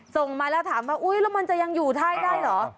ส่งมาแล้วถามว่าอุ๊ยแล้วมันจะยังอยู่ท่ายได้เหรอ